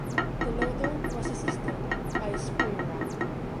The loader was assisted by a spring rammer.